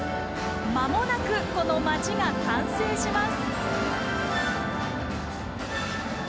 まもなくこの街が完成します。